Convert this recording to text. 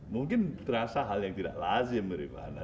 mungkin terasa hal yang tidak lazim rifana